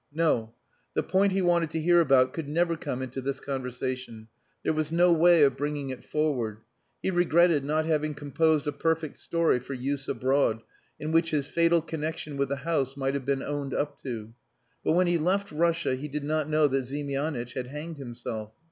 No. The point he wanted to hear about could never come into this conversation. There was no way of bringing it forward. He regretted not having composed a perfect story for use abroad, in which his fatal connexion with the house might have been owned up to. But when he left Russia he did not know that Ziemianitch had hanged himself.